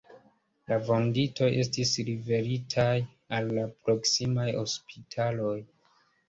La vunditoj estis liveritaj al la proksimaj hospitaloj.